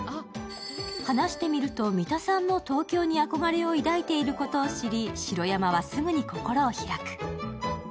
話してみると、三田さんも東京に憧れを抱いていることを知り、白山はすぐに心を開く。